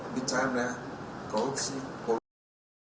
apakah bisa atau boleh disimpulkan atau disitu pak dengan yang keempat